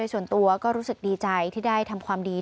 ส่วนตัวก็รู้สึกดีใจที่ได้ทำความดี